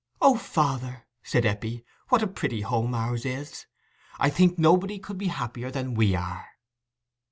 "O father," said Eppie, "what a pretty home ours is! I think nobody could be happier than we are."